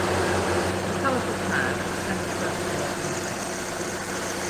The colourful crown is semicircular in shape.